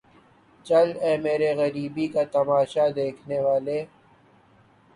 چل اے میری غریبی کا تماشا دیکھنے والے